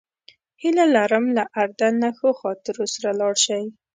هیله لرم له اردن نه ښو خاطرو سره لاړ شئ.